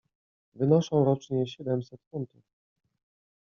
"Wynoszą rocznie siedemset funtów."